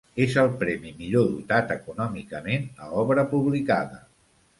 És el premi millor dotat econòmicament a obra publicada.